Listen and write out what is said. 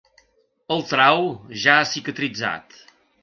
El trau ja ha cicatritzat.